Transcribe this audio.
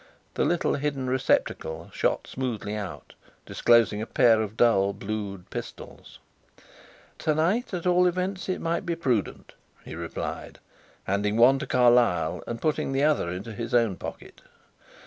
The little hidden receptacle shot smoothly out, disclosing a pair of dull blued pistols. "To night, at all events, it might be prudent," he replied, handing one to Carlyle and putting the other into his own pocket.